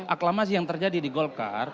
aklamasi yang terjadi di golkar